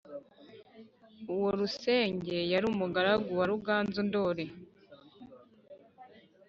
uwo rusenge yari umugaragu wa ruganzu ndori